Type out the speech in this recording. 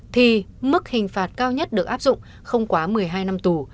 thì mức hình phạt cao nhất được áp dụng không quá một mươi hai năm tù